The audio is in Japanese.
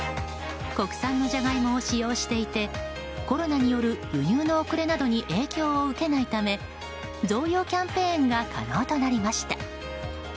国産のジャガイモを使用していてコロナによる輸入の遅れなどに影響を受けないため増量キャンペーンが可能となりました。